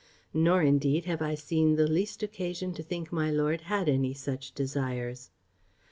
Nor, indeed, have I seen the least occasion to think my lord had any such desires.